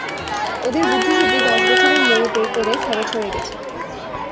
ওদের বুদ্ধিশুদ্ধি দশ বছরের মেয়ে বে করে করে খরচ হয়ে গেছে।